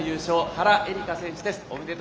原英莉花選手です。